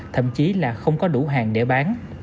thậm chí là không có đủ hàng để bán